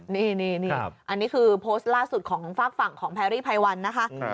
นี่อันนี้คือโพสต์ล่าสุดของฝากฝั่งของแพรรี่ไพวันนะคะ